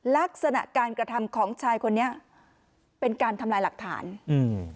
ลักษณะการกระทำของชายคนนี้เป็นการทำลายหลักฐานอืม